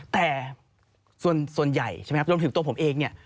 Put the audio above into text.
แต่ส่วนใหญ่รวมถึงตัวผมเอง